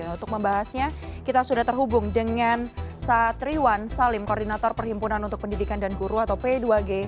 untuk membahasnya kita sudah terhubung dengan satriwan salim koordinator perhimpunan untuk pendidikan dan guru atau p dua g